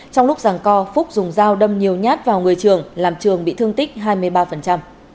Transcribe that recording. trong lúc rằng co phúc dùng dao đâm nhiều nhát vào người trường làm trường bị thương tích hai mươi ba